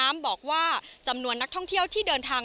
ทำให้ก่อล้านยังคงกลายเป็นสถานที่ท่องเที่ยวที่มีความปลอดภัยสูง